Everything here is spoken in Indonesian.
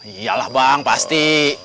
iya lah bang pasti